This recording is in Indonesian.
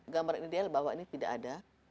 gambar ideal bahwa ini tidak ada